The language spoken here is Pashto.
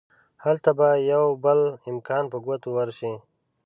هلته به يو بل امکان په ګوتو ورشي.